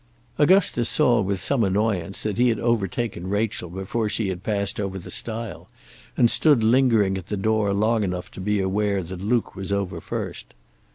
Augusta saw with some annoyance that he had overtaken Rachel before she had passed over the stile, and stood lingering at the door long enough to be aware that Luke was over first.